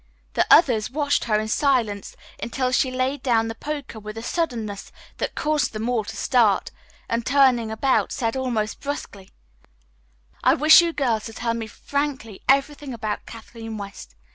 The others watched her in silence until she laid down the poker with a suddenness that caused them all to start, and turning about said almost brusquely: "I wish you girls to tell me frankly everything about Kathleen West.